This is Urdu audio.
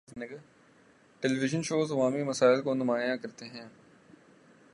ٹی وی شوز عوامی مسائل کو نمایاں کرتے ہیں۔